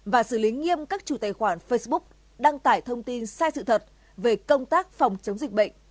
và xử lý nghiêm các chủ tài khoản facebook đăng tải thông tin sai sự thật về công tác phòng chống dịch bệnh covid một mươi chín